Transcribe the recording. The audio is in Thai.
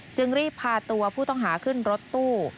จึงรีบพาตัวผู้ต้องหาขึ้นรถตู้